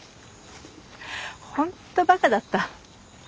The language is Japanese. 本当バカだった。